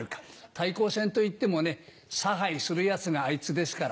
対抗戦といってもね差配する奴があいつですから。